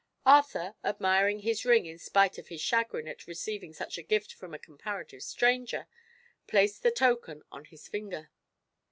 Arthur, admiring his ring in spite of his chagrin at receiving such a gift from a comparative stranger, placed the token on his finger.